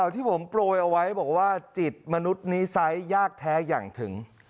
ที่ผมโปรยเอาไว้บอกว่าจิตมนุษย์นิสัยยากแท้อย่างถึง